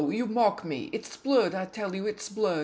You mock me: It's blood, I tell you, it's blood.